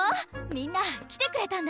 みんな来てくれたんだ